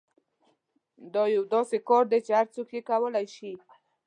دا یو داسې کار دی چې هر څوک یې کولای شي